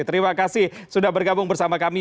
terima kasih sudah bergabung bersama kami